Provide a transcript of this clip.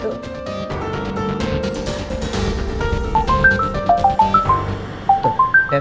tunggu udah telepon masuk kan